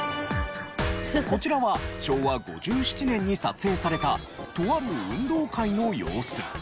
こちらは昭和５７年に撮影されたとある運動会の様子。